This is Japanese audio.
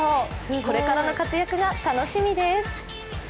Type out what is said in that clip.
これからの活躍が楽しみです。